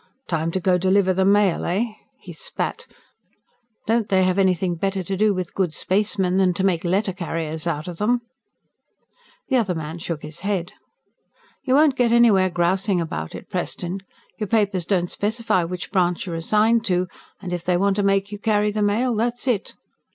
"Time to go deliver the mail, eh?" He spat. "Don't they have anything better to do with good spacemen than make letter carriers out of them?" The other man shook his head. "You won't get anywhere grousing about it, Preston. Your papers don't specify which branch you're assigned to, and if they want to make you carry the mail that's it."